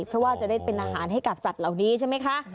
เพราะว่าจะได้เป็นอาหารให้กับสัตว์เหล่านี้ใช่ไหมคะ